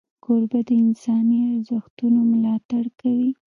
کوربه د انساني ارزښتونو ملاتړ کوي.